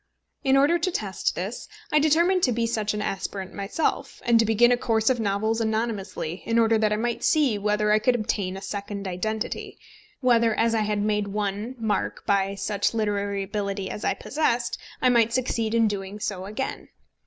In order to test this, I determined to be such an aspirant myself, and to begin a course of novels anonymously, in order that I might see whether I could obtain a second identity, whether as I had made one mark by such literary ability as I possessed, I might succeed in doing so again.